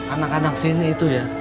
anak anak sini itu ya